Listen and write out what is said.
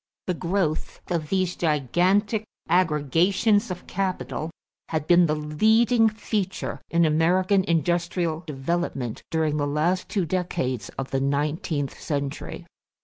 The growth of these gigantic aggregations of capital had been the leading feature in American industrial development during the last two decades of the nineteenth century.